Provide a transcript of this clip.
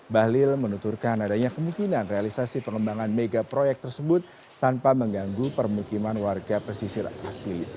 balil menuturkan adanya kemungkinan realisasi pengembangan megaproyek tersebut tanpa mengganggu permukiman warga pesisir asli